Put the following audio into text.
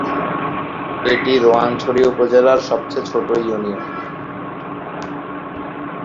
এটি রোয়াংছড়ি উপজেলার সবচেয়ে ছোট ইউনিয়ন।